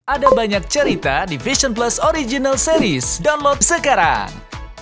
ada banyak cerita di vision plus original series download sekarang